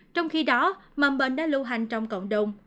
trong khi đó mầm bệnh đã lưu hành trong cộng đồng